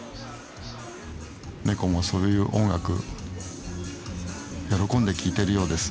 ネコもそういう音楽喜んで聴いているようです。